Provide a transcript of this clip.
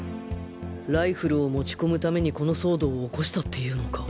ライフルを持ち込むためにこの騒動を起こしたっていうのか？